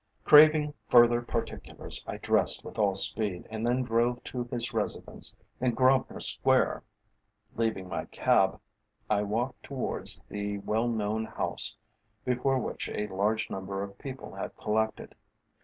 Craving further particulars, I dressed with all speed, and then drove to his residence in Grosvenor Square. Leaving my cab, I walked towards the well known house, before which a large number of people had collected.